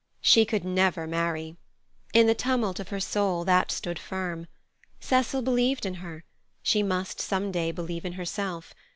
She could never marry. In the tumult of her soul, that stood firm. Cecil believed in her; she must some day believe in herself.